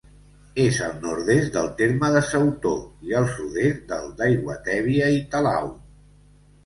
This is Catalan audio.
És al nord-est del terme de Sautó i al sud-est del d'Aiguatèbia i Talau.